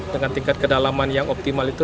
dengan tingkat kedalaman yang optimal itu